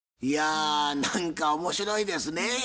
いや何か面白いですね。